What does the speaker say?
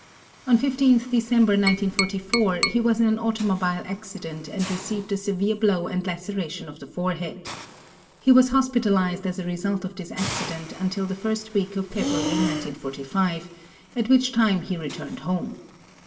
On 15 December 1944, he was in an automobile accident and received a severe blow and laceration of the forehead. He was hospitalized as a result of this accident until the first week of February 1945, at which time he returned home.